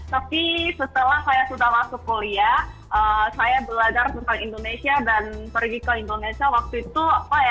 tapi setelah saya sudah masuk kuliah